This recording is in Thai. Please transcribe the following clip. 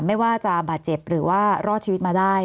ไม่ว่าจะบาดเจ็บหรือว่ารอดชีวิตมาได้